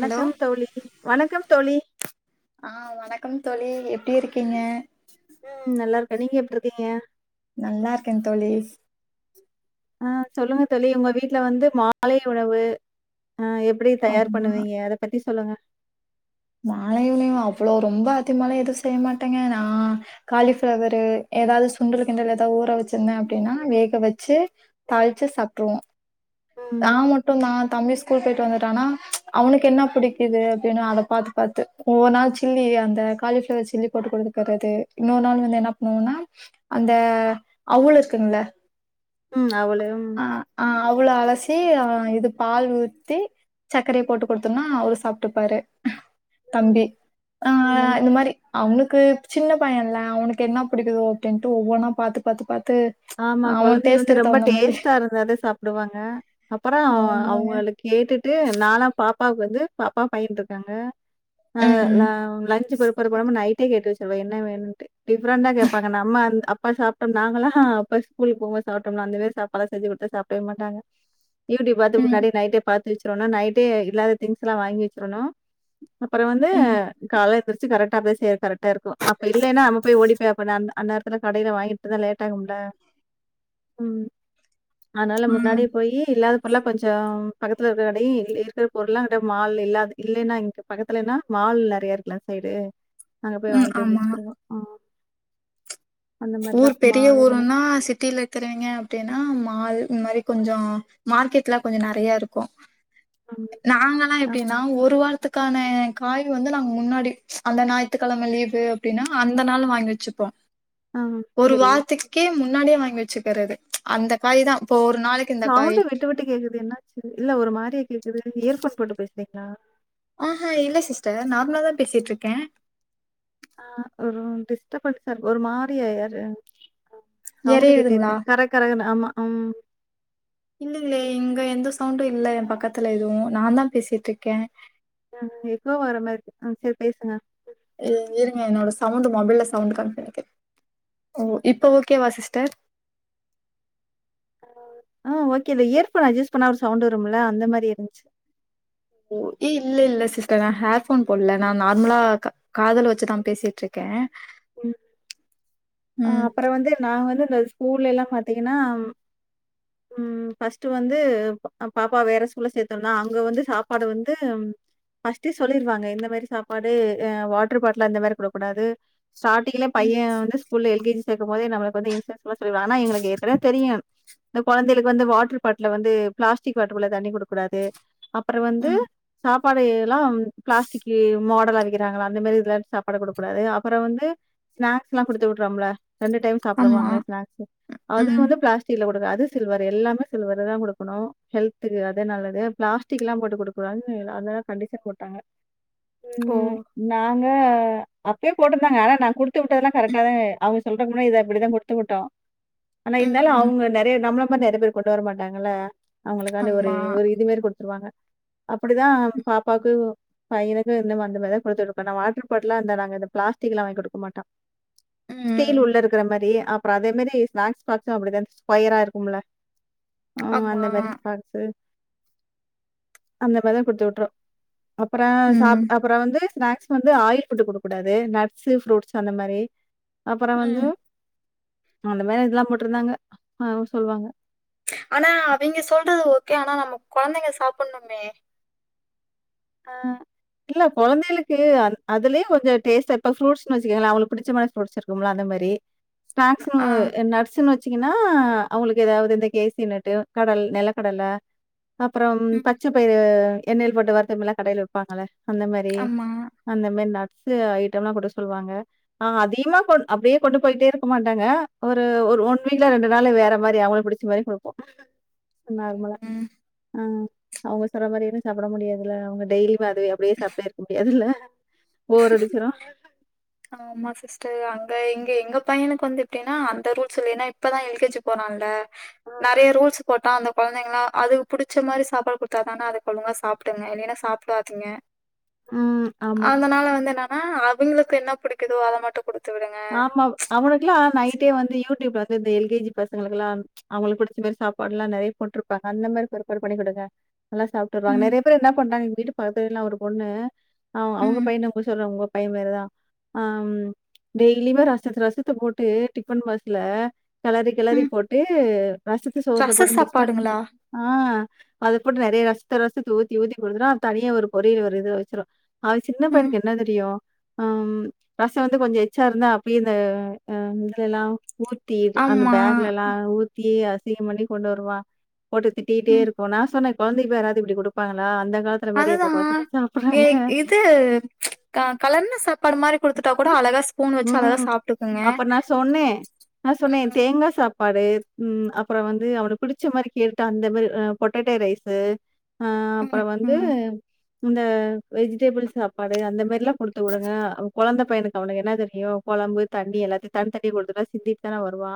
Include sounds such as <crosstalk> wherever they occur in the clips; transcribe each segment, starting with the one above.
Hello தோழி வணக்கம் தோழி ஆ வணக்கம் தோழி எப்டி இருக்கீங்க ம் நல்லாருக்க நீங்க எப்டுருக்கீங்க நல்லாருக்க தோழி ஆ சொல்லுங்க தோழி உங்க வீட்ல வந்து மாலை உணவு ஆ எப் டி தயார் ஆமா பண்ணுவீங்க அத பத்தி சொல்லுங்க மாலை உணவு அவ்வளோ ரொம்ப அதிமாலா எதுவு செய்ய மாட்டேங்க நா காலிஃப்ளவரு ஏதாது சுண்டலு கிண்டலு ஏதா ஊற வச்சிருந்தே அப்டின்னா வேக வச்சு தாளிச்சு சாப்ட்டுருவோ ஆ ம். மட் டு நா தம்பி ஸ்கூல் போய்ட்டு வந்துட்டானா அவனுக்கு என்ன பிடிக்குது அப்டின்னு அத பாத்து பாத்து ஒவ்வொரு நாள் சில்லி அந்த காலிஃப்ளவர் சில்லி போட்டு குடுக்கறது இன்னொ நாள் வந்து என்னா பண்ணுவோனா அந்த அவுல் இருக்குங்கள ம் அவுலும் ஆ ஆ அவுல் அலசி ஆ இது பால் ஊத்தி சக்கரைய போட்டு குடுத்தோனா அவரு சாப்ட்டுப்பாரு தம்பி ஆ ஆ ம். இந்த மாரி அவனுக்கு சின்ன பைய இல்ல அவனுக்கு என்ன புடிக்குதோ அப்டின்ட்டு ஒவ்வொன்னா பாத்து பாத்து பாத்து ஆமா அவ கொழந்தைய வந்து டேஸ்ட்டுக்கு ரொம்ப தகுந்த மாரி டேஸ்டா இருந்தாதா சாப்டுவாங்க அப்பறோ ஆமாங்க அவங்களு கேட்டுட்டு நாலா பாப்பாவுக்கு வந்து பாப்பா பையன்ருக்காங்க ஆ ல ம் லஞ்சு பொறுப்பற கூடாம நைட்டே கேட்டு வச்சுருவெ என்ன வேணுன்ட்டு டிஃப்ரெண்டா கேப்பாங்க நம்ம அந் அப்பா சாப்ட்டோ நாங்களாகா பஸ் ஸ்கூல் போம்போ சாப்ட்டோம்ல அந்த மாரி சாப்பாடா செஞ்சு குடுத்தா சாப்டவே மாட்டாங்க யூட்டி பாத்து ம் முன்னாடி நைட்டே பாத் தி வச்சுரணு நைட்டு இல்லாத திங்ஸ்லா வாங்கி வச்சிரணு அப்பறோ வந்து ம் கால எந்திரிச்சு கரெக்டா அப்டியே செய்ய கரெட் டாருக்கூ அப்ப இல்லன்னா நம்ம போய் ஓடிப்பே அப்ப நா அந்த அந் நேரத்துல கடைல வாங்கிட்டுதா லேட் ஆகும்ல ம் அதுனால ம் ஆ முன்னாடி போயி இல்லாத பொருல்லா கொஞ்சோ பக்கத்துல இருக்க கடை இ இருக்கிற பொருளா அந்த மால் இல்லாது இல்லைன்னா இங்க பக்கத்துலன்னா மால் நெறைய இரு எல்லா சைடு அங்க போய் ம் வாங்கிட்டு வந்து ஆமா வச்சுக்கிடுவோ ஆ அந்த மாரி ஊர் தான். பெரிய மாலை உணவு. ஊருன்னா சிட்டில த்துருவீங்க அப்டின்னா மால் இந்த மாரி கொஞ்சோ மார்க்கெட்லா கொஞ்ச நறையாருக்கூ ம். நாங்கல்லா ஆமா. எப்டின்னா ஒரு வாரத்து க்கான காய் வந்து நாங்க முன்னாடி அந்த நாயித்துக்கெழம லீவு அப்டின்னா அந்த நாள் வாங்கி வச்சுப்போ ஆ ஒரு சரி. வாரத்துக்கே முன்னாடியே வாங்கி வச்சுக்கறது அந்த காய் தா இப்போ ஒரு நாளை சவுண்டு விட்டு விட்டு கேக்குது என்னாச்சு இல்ல ஒரு மாரியா கேக்குது நீங்க ஏர்போன் போட்டு பேசுறீங்களா ஆஹா இல்ல சிஸ்ட நார்மலா தா பேசிட்ருக்கே ஆ ஒரு டிஷ்டபன்சார் ஒரு மாரியா யாரு சவுண்டு கேட்டே எறையுதுங்களா இருக்குத் கர கரனு ஆமா அம் இல்லைங்களே இங்க எந்த சவுண்டு இல்ல ஏ பக்கத்துல எதுவு நாந்தா பேசிட்ருக்கே நன் ஏதோ வர மாறிருக் ஆ செரி பேசுங்க இ இருங்க என்னோட சவுண்டு மொபைல்ல சவுண்ட் கம்மி பண்ணிக்றே ஓ இப்போ ஓகேவா சிஸ்டர் ஆ ஓகேதா இயர்ஃபோன் அட்ஜஸ் பண்ணா ஒரு சவுண்ட் வருமுல்ல அந்த மாரி இருந்ச்சி ஓ ஏ இல்ல இல்ல சிஸ்டர் நா ஹேர்ஃபோன் போடல நா நார்மலா க காதுல வச்சிதா பேசிட்ருக்கே புண் அ ம் அப்பறோ வந்து நா வந்து இந்த ஸ்கூல்லைலா பாத்தீங்கனா உம் ஃபஸ்ட்டு வந்து பாப்பா வேற ஸ்கூல்ல சேத்தோன்னா அங்க வந்து சாப்பாடு வந்து ஃபஸ்டே சொல்லிருவாங்க எந்த மாரி சாப்பாடு அ வாட்ரு பாட்ல அந்த மாரி போடக் கூடாது ஸ்டாட்டிங்குலே ம் பையே வந்து ஸ்கூல்ல எல் கே ஜி சேக்கும்போதே நம்மளுக்கு வந்து இன்ஸ்ட்ரெக் ல சொல்லிருவாங்கனா எங்களுக்கு ஏற்கறவே தெரியு இந்த கொழந்தையளுக்கு வந்து வாட்டர் பாட்ல வந்து பிளாஸ்டிக் வாட்ரு பால தண்ணி குடுக்க கூடாது அப்பறோ வந்து ம். சாப்பாடு எலாம் பிளாஸ்டிக்கு மாடலா வைக்கிறாங்களா அந்த மாரி இதுல்லர்ந் சாப்பாடு குடுக்க கூடாது அப்பறோ வந்து ஸ்நாக்ஸ்லா குடுத்து விட்றோம்ல ரெண்டு டைம் ஆமா. சாப்புடுவாங்கள ஸ்நாக்ஸு அது ம். வந்து பிளாஸ் டில குடுங்க அது சில்வரு எல்லாமே சில்வருதா குடுக்கனூ ஹெல்த்துக்கு அதே நல்லது பிளாஸ் டிக்லா போட்டு குடுக் கூடாதுனு அதலா கண்டிஷன் போட்டாங்க ஓ! உம் நாங்க அப்பயு போட்ருந்தாங்க ஆனா நா குடுத்து உட்டதுலா கரெக்ட் கலே அவங்க சொல்றதுக் முன்னாடி இத அப்பிடிதா குடுத்து விட்டோ ஆனா ம், இருந்தாலு ம். அவங்க நெறைய நம்ள மாரி நெறைய பேரு கொண்டு வர மாட்டாங்கல்ல அவங்களுக்காண்டி ஒரு ஆமா. ஒரு இது மாரி குடுத்துருவாங்க அப்பிடிதா பாப்பாக்கு பையனுக்கு இன்னம அந்தமாரிதா குடுத்துவிட்ருப்பே நா வாட்ரு பாட்டுல்லா அந்த நாங்கந்த பிளாஸ்டிக்குலா வாங்கி குடுக்க மாட்டோ ஸ்டீல் ம். உள்ள இருக்குற மாரிஅப்றோ அதே மாரி ஸ்நாக்ஸ் பாக்ஸு அப்டிதா இந் ஸ்கொயரா இருக்குமுல ஆ ஆமா. அந்த <unintelligible> பாக்ஸு அந்த மாரிதா குடுத்து விட்ருவோ அப்பறோ ம். சாப் டப் அப்பறோ வந்து ஸ்நாக்ஸ் வந்து ஆயில் ஃபுட்டு குடுக்கூடாது நட்ஸு ஃப்ரூட்ஸ் அந்த மாரி அப்பறோ வந்து ம். அந்த மாரி இதல்லா போட்ருந்தாங்க மேம் சொல்வாங்க ஆனா அவைங்க சொல்றது ஓகே ஆனா நம்ம கொழந்தைங்க சாப்புட்ணுமே ஆ இல்ல கொழந்தைளுக்கு அன் அதுலயு கொஞ்சோ டேஸ்ட் எப்ப ஃப்ரூட்ஸ்னு வச்சிக்கங்களே அவங்ளுக் பிடிச்சமாரி ஃப்ரூட்ஸ் இருக் கும்ல அந்த மாரி அ, ஸ்நேக்ஸ்னு ஆ. எ நட்ஸுனு வச் சீங்கன்னா அவங்களுக்கு எதாவது இந்த கேசி நட்டு கடல் நெலக்கடல அப்றம் ம். பச்ச பயிறு எண்ணெயில் போட்டு வறுத்தமில்லா கடையில விப்பாங்கள அந்த மாரி ஆமா. அந்த மாரி நட்ஸு ஐட்டம்லா கூட சொல்லுவாங்க ஆ அதிகமா கொண் அப்டியே கொண்டு போயிட்டே இருக்க மாட்டாங்க ஒரு ஒர் ஒன் வீக்ல ரெண்டு நாள் வேற மாரி அவங்களுக்கு பிடிச் ச மாரி குடுப்போ நார்மலா ம். ஆ அவங்க சொல்ற மாரியேனு சாப்புட முடியாதுல அவங்க டெய்லி வாது அப்டியே சாப்டே இருக்க முடியாதுல்ல போர் அடிச்சிரு ஆமா சி ஸ்டர் அங்க இங்க எங்க பையனுக்கு வந்து எப்டினா அந்த ரூல்ஸ் இல்ல ஏனா இப்பதா எல் கே ஜி போனால்ல ம். நெறைய ரூல்ஸ் போட்டா அந்த கொழந்தைங்களா அதுக்கு புடிச்ச மாரி சாப்பாடு குடுத்தாதான அதுக்கொழுங்கா சாப்டுங்க இல்லையினா சாப்புடாதுங்க ம். ஆமா. அதனால வந்து என்னான்னா அவிங்களுக்கு என்ன பிடிக்குதோ அத மட்டும் குடு ஆமா அவனுக்கெல்லா நைட்டே வந்து யூடூயூப்ல வந்து இந்த எல்கேஜி பசங்களுக்கெல்லா அவுங்களுக்கு பிடிச்ச மாரி சாப்பாடு ல்லா நெறைய போட்ருப்பாங்க அந்த மாரி ப்ரிபர் பண்ணி கொடுங்க நல்லா சாப்ட்டுறாங்க ம், நெறைய பேரு என்ன பண்றாங்க எங்க வீட்டு பக்கத்துவீட்ல ஒரு பொண்ணு அவ அவுங்க ம், பையன உங்க சொல்றாங்க பைய பேரு தா அம் டெய்லியுமே ரசத்த ரசத்த போட்டு டிஃபன் பாக்ஸ்ல கெளரி ம். கெளரி போட்டு ரசத்த சோறுல ரச போட்டு மிக்ஸ் பண் சாப்பாடுங்களா? ஆ அத போட்டு நெறைய ரசத்த ரசத்த ஊத்தி ஊத்தி குடுத்துடு தனியா ஒரு பொரியல் ஒரு இது வச்சுரு அது சின்ன ம். பையனுக்கு என்ன தெரியு ம் ரசொ வந்து கொஞ்ச எச் மிச்ச இருந்தா அப்டியே இந்த இதுலலஊத்தி அந்த ஆமா. பேக்லல்லா ஊத் த்தி அசிங்கம் பண்ணி கொண்டு வருவா போட்டு திட்டிட்டே ம். இருக்கு நா சொன்ன கொழந்தக்கி வெராவது இப்டி கொடுப்பாங்களா அந்த காலத் அதுதா இ இது க கலந்த சாப்பாடு மாரி குடுத்துட்டா கூட அழகா ஸ்பூன் வச்சு அழகா ம் சாப்ட்டுக்குங்க. அப்ப நா சொன்னே நா சொன்னே ம். தேங்கா சாப் சாப்பாடு ம் அப்புறொ வந்து அவனுக்கு புடிச்ச மாரி கேட்டு அந்த மாரி பொட்டேட்டோ ரைஸு அ அப்ற ம். வந்து ம். இந்த வெஜிடெபிள் சாப்பாடு அந்த மாரி ல்லா கொடுத்து விடுங்க அந்த பையனுக்கு அவனுக்கு என்ன தெரியு கொழம்பு தண்ணி எல்லாத்தையு தனி தனியா கொடுத்து விட்டா சிந்திட் தான வருவா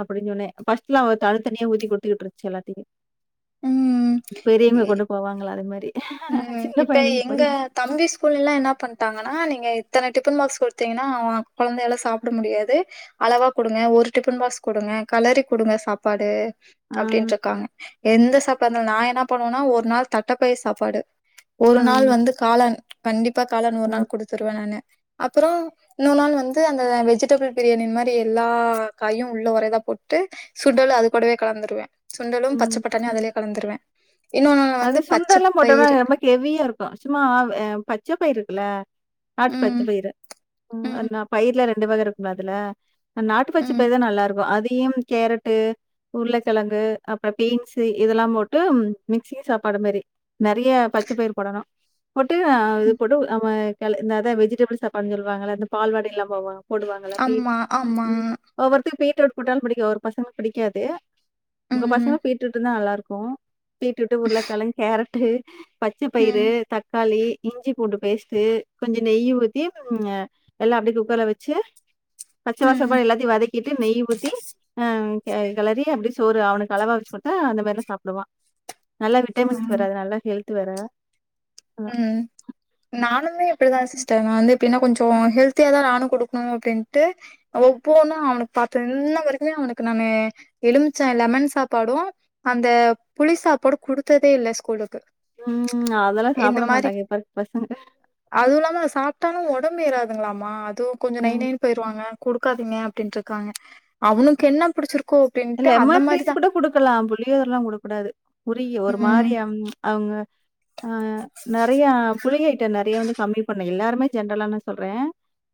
அப்டி சொன்னே பஸ்ட்ல அவ தனி தனியா ஊத்தி குடுத்துட்டு இருந்துசு எல்லாத்தையுமே ம். இ பெரியவங்க கொண்டு போவாங்கள அது மாரி ம் சின்ன இப்ப பையனுக்கு போய் எங்க தம்பி ஸ்கூல்லல்லா என்ன பண்டாங்கன்னா நீங்க இத்தன டிஃபன் பாக்ஸ் குடுத்தீங்கனா கொழந்தையால சாப்ட முடியாது அளவா கொடுங்க ஒரு டிஃபன் பாக்ஸ்கொடுங்க கலரி கொடுங்க சாப்பாடு ஆ, அப்டின்ட்ருக்காங்க எந்த சாப்பாடு நாலு நா என்ன பண்ணுவனா ஒரு நாள் தட்டப்பயிர் சாப்பாடு ஒரு ஆ, நாள் வந்து காளான் கண்டிப்பா காளான் ஒரு ம், நாள் குடுத்துருவே நானு அப்பறோ இன்னொ நாள் வந்து அந்த வெஜிடபிள் பிரியாணி மாரி எல்லா காயும் உள்ள ஒரே இதா போட்டு சுண்டல அது கூடவே கலந்துருவ சுண்டலு பச்ச ம். பட்டானியு அதுலயே கலந்துருவ இன்னொநாள் வந்து பச்ச பயிறு ரொம்ப ஹெவியா ருக்கு சும்மா பச்ச பயிர்ருக்குல்ல நாட்டு பச்ச ம் பயிரு ம் ஆ பயிர்ல ரெண்டு வக இருக்கும்ல அதுல நாட்டு பச்ச ம் பயிர் தா நல்லா ருக்கு அதையும் கேரட்டு உருளக்கிழங்கு அப்றொ பீன்ஸூஇதெல்லா போட்டு மிக் சீ சாப்பாடு மாரி நெறைய பச்ச பயிர் போடணு போட்டு இது கூட நம்ம இந்த வெஜிடபிள் சாப்பாடுனு சொல்லுவாங்கள இந்த பால்வாடி எல்லா போவாங்க போடுவாங்கள ஆமா ஆமா உம் ஒவ்வொருத்தக்கு பீட்ரூட் போட்டாலு புடிக்கு ஒரு பசங்க புடிக்காது உங்க பசங்க ம் பீட்ரூட்னா நல்லா ருக்கு பீட்ரூட்டு உருளக்கெழங்கு கேரட்டு பச்ச பயிறு ம் தக் தக்காளி இஞ்சி பூண்டுபேஸ்ட்டு கொஞ்ச நெய்ய ஊத்தி அ எல்லா அப்டியே குக்கர்ல வச்சு பச்ச வாச ம் போக எல்லாத்தையு வதக்கிட்டு நெய் ஊத்தி அ கெளறி அப்டியெ சோறு அவனுக்கு அளவா வச்சு கொட்தா அந்த மாரிலா சாப்புடுவா நல்லா ஆ விட்டமின்ஸ் வேற அது நல்லா ஹெல்த் வேற ம் நானுமே இப்டிதா சிஸ்டர் நா வந்து எப்டினா கொஞ்ச ஹெல்த் ஹெல்தியாதா நானு கொடுக்கணு அப்டின்ட்டு ஒவ்வொன்னு அவனுக்கு பாத்து இன்ன வரைக்குமே அவனுக்கு நானு எலுமிச்ச லெமன் சாப்பாடு அந்த புலிசாப்பாடு குடுத்ததே இல்ல ஸ்கூலுக்கு ம் அதெல்லா சாப்புட மாட்டாங்க இப்பருக்க பசங்க அது இல்லாம சாப்ட்டாலு ஒடம்பு ஏறாதுங்களாமா அதுவு கொஞ்ச நை ம். நைனு பெய்ருவாங்க குடுக்காதீங்க அப்டினுட்ருக்காங்க அவனுக்கு என்ன புடிச்சுரு இல்ல லெமன் ரைஸு கூட குடுக்கலா புளியேரைலா குடுக்கூடாது உருகி ஒரு மாரி ம் அம் அவுங்க ஆ நெறையா புளி ஐட்டோ நெறையா வந்து கம்மி பண்ணே எல்லாருமே ஜென்ரலானா சொல்றே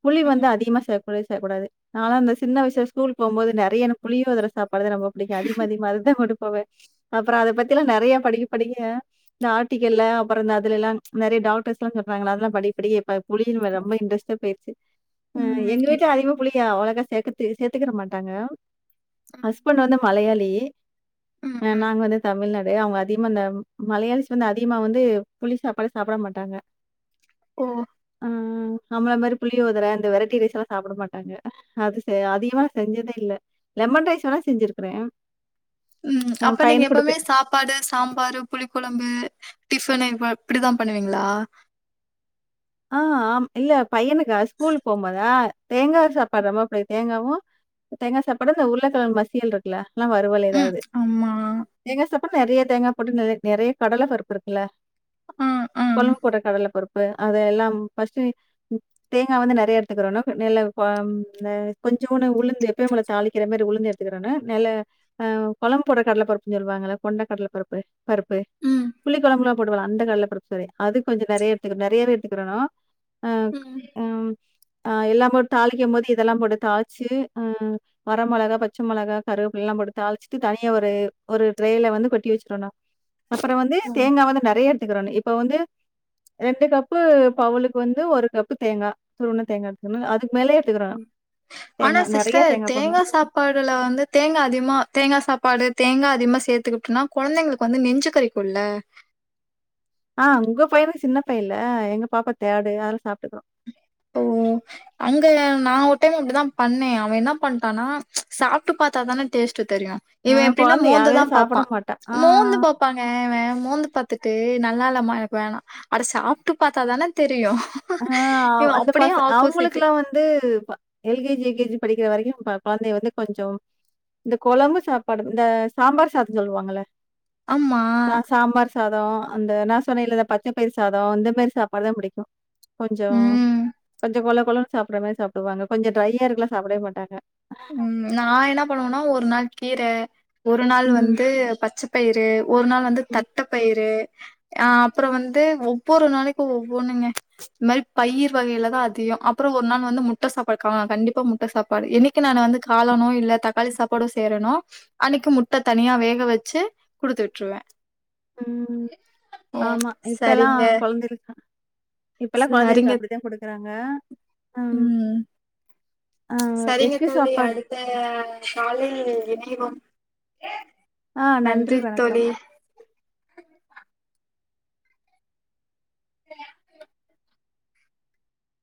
புளி வந்து ம் அதிகமா சேக்கவே சேக்கூடாது நாலா வந்து சின்ன வயசல ஸ்கூல்க்கு போவும்போது நெறைய நம் புளியு அத <unintelligible> அப்பலேர்ந்து ரொம்ப புடிக்கு அதிக அதிகமா அததா கொடுப்பவே அப்பறோ அத பத்திலா நெறையா படிக்க படிக்க இந்த ஆர்டிக்கல்லா அப்பறந்தா அதுலலா நெறைய டாக்டர்ஸ்லா சொல்றாங்கள அதெல்லா படி படி இப்ப <unintelligible> ரொம்ப இன்ட்ரெஸ்ட்டா பொயிடிச்சு அ எங்க ம் வீட்டுல அதிகமா புளிய அவ்ளவாதா சேக்குத்து சேர்த்துக்கிற மாட்டாங்க ம் ஹஸ்பண்ட்டு வந்து மலையாளி ம் நா வந்து தமிழ்நாடு அவங்க அதிகமா அந்த மலையாளிஸ் வந்து அதிகமா வந்து புளி சாப்பாடே சாப்ட மாட்டாங்க <unintelligible> ம் ம் நம்மள மாரி புளியோதர இந்த வெரைட்டி ரைஸ்லா சாப்ட மாட்டாங்க அது சே அதிகமா செஞ்சதே இல்ல லெமன் ரைஸ் வேணா செஞ்சிருக்கிறே ம் அப்ப நீங்க எப்பமே சாப் பாடு சாம்பாரு புளிகொழம்பு டிஃபனு இப்டிதா பண்ணுவீங்களா ம் ஆ இல்ல பையனுக்கா ஸ்கூலு போம்போதா தேங்கா சாப்பாடு ரொம்ப <unintelligible> தேங்காவு தேங்கா சாப்பாடு இந்த உருளகெழங்கு மசியல் இரு குல இந்த வருவல் ம். ஏதாவுது ஆமா. <unintelligible> நெறையா தேங்கா போட்டு நெறையா கடல பருப்பு இருக்குல்ல அ, அ. கொழம்புக்கு போடுற கடல பருப்பு அதயெல்லாம் ஃபஸ்டு நீ தேங்கா வந்து நெறைய எடுத்துக்கிறோணும் ந கொஞ்சம் ஒன்ன உளுந்து எப்பய உளை தாளிக்கிற மாதிரி உளுந்து எடு <unintelligible> பேரென்ன நெல அ கொழம்ப் போடுற கடலபருப்புன்னு சொல்லுவாங்க கொண்டை கடல பருப்பு பருப்பு ம், புளி கொழம்புல போடுவாங்கள அந்த கடல பருப்பு அது கொஞ்சோ நெறையா எடுத்துகறணு நெறையவே எடுத்துகுறணு உம் <unintelligible> ம் ம் ஆ எல்லா போட்டு தாளிக்கு போது இதெல்லா போட்டு தாளிச்சி ஆ வர மொளகா பச்ச மொளகா கருவேப்பிலலா போட்டு தாளிச்சிட்டு தனியா ஒரு ஒரு ட்ரேல வந்து கொட்டிவச்சிக்றனு அப்பறோ வந்து ம், தேங்கா வந்து நெறையா எடுத்துகிறனு இப்ப வந்து ரெண்டு கப் பு அவுலுக்கு வந்து ஒரு கப்பு தேங்கா துருவுன தேங்கா எடுத்துனு அதுக்கு மேலயே எடுத்துக்கிறணு ம் ஆனா தேங்கா நெறைய சிஸ்டர் போடணு தேங்கா சாப் சாப்பாடுல வந்து தேங்கா அதிகமா தேங்கா சாப்பாடு தேங்கா அதிகமா சேத்துகிட்டொனா கொழந்தைகளுக்கு வந்து நெஞ்சுகரிப் புல்ல ஆ உங்க பையனு சின்ன பையன்ல எங்க பாப்பா தேடு அதெலா சாப்பட்டுக்ரு <unintelligible> அங்க நா ஒரு டைம் அப்டிதா பண்ணே அவே என்ன பண்ட்டானா சாப்ட்டு பாத்தாதன டேஸ்ட்டு தெரியு இவ ஆ எப்டின்னா குழந்தையாவே மோந்துதா சாப்பிட பாப்பா மாட்டா. ஆ, மோந்து பா பப்பாங்க இவே மோந்து பாத்துட்டு நல்லா இல்லமா எனக்கு வேணா அட சாப்ட்டு பாத்தாதன தெரியு ஆ அவ இவன் அந்த அப்டியே பச ஆப்போசிட்டு அவங்களுகெல்லா வந் து எல்கேஜி யுகேஜி படிக்கிற வரைக்கு ப கொழந்தைய வந்து கொஞ்சோ இந்த கொழம்பு சாப்பாடு இந்த சாம்பார் சாதோ சொல்லுவாங்கள ஆமா சா சாம்பார் சாதோ அந்த நா <unintelligible> பச்ச பயிர் சாதோ இந்த மாதிரி சாப்பாடுதா புடிக்கு கொஞ்சோ ம் கொஞ்சோ கொழ கொழனு சாப்டுற மாரி சாப்டுவாங்க கொஞ்சோ ட்ரையா இருக்குல்லா சாப்பிடவே மாட்டாங்க உம் நா என்ன பண்ணுவேன்னா ஒரு நாள் கீர ஒரு நாள் ம். வந்து பச்ச பயிருஒரு நாள் ம். தட்ட பயிரு அ அப்றோம் வந்து ஒவ்வொரு நாளைக்கு ஒவ்வொன்னுங்க இது மாரி பயிர் வகையில தா அதிகோம் அப்பறோம் ஒரு நாள் வந்து முட்ட சாப்பாடுக்கா கண்டிப்பா முட்ட சாப்பாடு என்னிக் என்னிக்கு நான் வந்து காளானும் இல்ல தக்காளி சாப்பாடே செய்றேனோ அன்னைக்கு முட்ட தனியா வேக வச்சு குடுத்து விட்ருவே உம்ம் ஆமா இப்பெல்லா சரிங்க. கொழந்திருக்கான் இப்பல்லாம் கொழந்தைங்களுக்கு சரிங்க. அப்படித்தா குடுக்குறாங்க உம் ம். ஆ எக்கு சாப்பாடு இந்த காலை உணவுல இணைவோம் ஆ நன்றி வணக்கம். தோழி <unintelligible>